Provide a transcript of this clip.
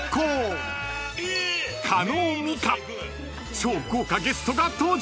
［超豪華ゲストが登場